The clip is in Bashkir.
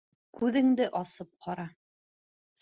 Күҙеңде асып ҡара.